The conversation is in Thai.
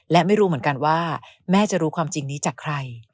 และไม่รู้เหมือนกันว่าแม่จะรู้ความจริงนี้จากใคร